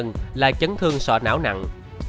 nguyên nhân là chấn thương sọ não nặng